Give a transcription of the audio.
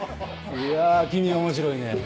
いや君面白いね。